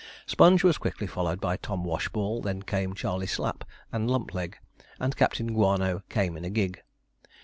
Sponge was quickly followed by Tom Washball; then came Charley Slapp and Lumpleg, and Captain Guano came in a gig.